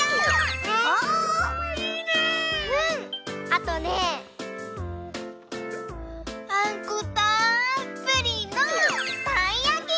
あとねあんこたっぷりのたいやき！